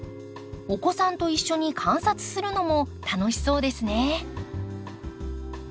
お子さんと一緒に観察するのも楽しそうですね。